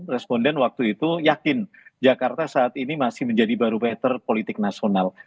tujuh puluh dua responden waktu itu yakin jakarta saat ini masih menjadi baru meter politik nasional